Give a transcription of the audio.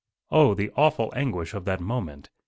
Oh, the awful anguish of that moment!